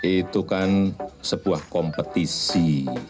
itu kan sebuah kompetisi